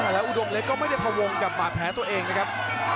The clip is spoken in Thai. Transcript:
แล้วอุดมเล็กก็ไม่ได้พวงกับบาดแผลตัวเองนะครับ